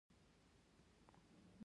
آیا بانکونه همکاري کوي؟